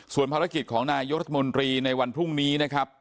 ส่วนภารกิจของนายกรัฐมนตรีในวันพรุ่งนี้นะครับ